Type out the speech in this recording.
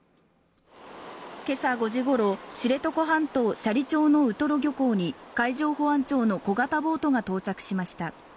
けさ５時ごろ知床半島斜里町のウトロ漁港に海上保安庁の小型ボートが到着しました